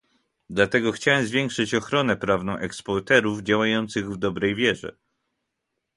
Dlatego chciałem zwiększyć ochronę prawną eksporterów działających w dobrej wierze